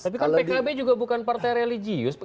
tapi kan pkb juga bukan partai religius